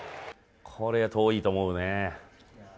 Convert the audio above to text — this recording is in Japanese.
これ、遠いと思うね。